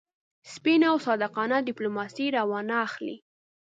سپینه او صادقانه ډیپلوماسي را وانه خلي.